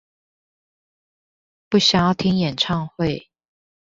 不想要聽演唱會